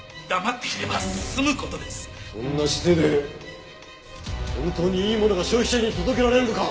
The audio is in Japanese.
そんな姿勢で本当にいいものが消費者に届けられるのか！？